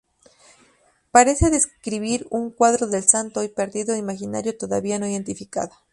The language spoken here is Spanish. Parece describir un cuadro del Santo hoy perdido, imaginario o todavía no identificado.